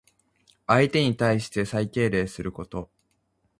相手に対して最敬礼すること。